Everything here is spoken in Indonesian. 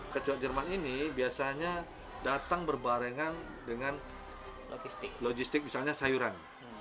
kecok jerman ini biasanya datang berbarengan dengan logistik misalnya sayuran